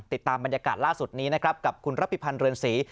ติดตามบรรยากาศล่าสุดนี้นะครับกับคุณรับพิพันธ์เรือนศรี